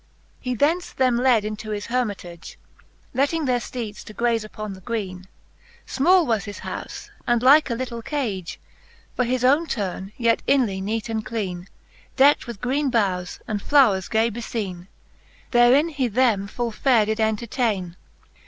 He thence them led into his Hermitage, Letting their fteedes to graze upon the greene : Small was his houfe, and like a little cage, For his owne turne, yet inly neate and clene, Deckt with greene boughes, and flowers gay befeene. Therein he them full faire did entertaine.